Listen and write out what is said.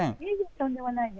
とんでもないです。